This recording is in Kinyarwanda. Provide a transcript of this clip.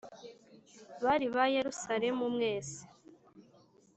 bari ba Yeruzalemu mwese